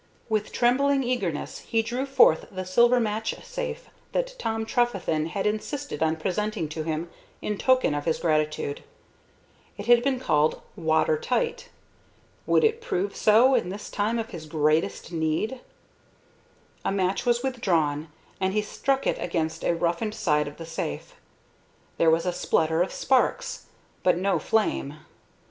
With trembling eagerness he drew forth the silver match safe that Tom Trefethen had insisted on presenting to him in token of his gratitude. It had been called water tight. Would it prove so in this time of his greatest need? A match was withdrawn, and he struck it against a roughened side of the safe. There was a splutter of sparks, but no flame.